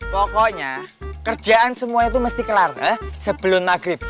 pokoknya kerjaan semuanya itu mesti kelar sebelum maghrib